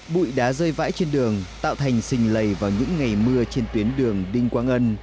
bụi đá rơi vãi trên đường tạo thành xình lầy vào những ngày mưa trên tuyến đường đinh quang ân